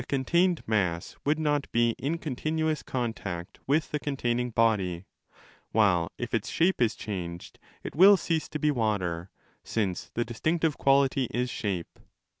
8 contained mass would not be in continuous contact with the containing body; while, if its shape is changed, it will cease to be water, since the distinctive quality is shape.